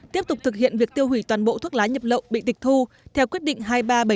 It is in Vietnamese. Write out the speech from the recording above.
tiếp tục thực hiện việc tiêu hủy toàn bộ thuốc lá nhập lậu bị tịch thu theo quyết định hai nghìn ba trăm bảy mươi bảy